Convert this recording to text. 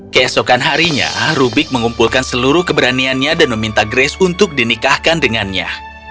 keesokan harinya rubik mengumpulkan seluruh keberaniannya dan meminta grace untuk dinikahkan dengannya